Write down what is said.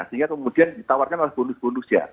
sehingga kemudian ditawarkan oleh bonus bonusnya